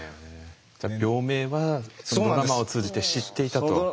病名はそのドラマを通じて知っていたと。